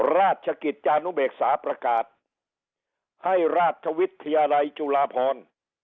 ราชกิจจานุเบกษาประกาศให้ราชวิทยาลัยจุฬาพร